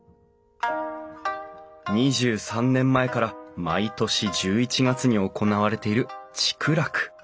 ２３年前から毎年１１月に行われている竹楽。